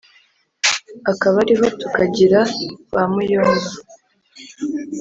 akaba ariho tukagira ba muyomba